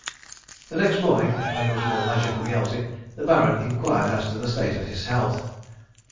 The next morning when there was more leisure for Beelzy the Baron inquired as to the state of his health.